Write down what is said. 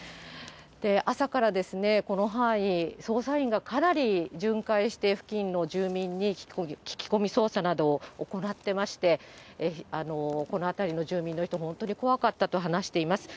朝からこの範囲、捜査員がかなり巡回して、付近の住民に聞き込み捜査などを行ってまして、この辺りの住民の人も、本当に怖かったと話しています。